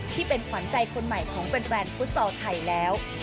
ที่เป็นขวัญใจคนใหม่ของแฟนฟุตซอลไทยแล้ว